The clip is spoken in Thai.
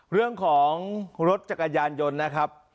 เรื่องของรถจักรยานยนต์นะครับ